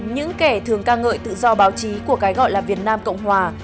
những kẻ thường ca ngợi tự do báo chí của cái gọi là việt nam cộng hòa